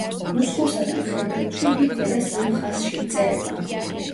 ნუსხურსა და მხედრულში იგი ქვედა სამ ხაზში იწერება.